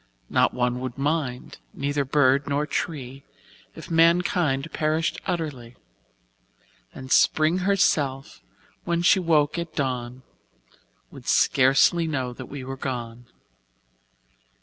Not one would mind, neither bird nor tree If mankind perished utterly; And Spring herself, when she woke at dawn, Would scarcely know that we were gone.